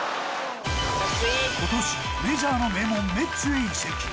今年メジャーの名門メッツへ移籍。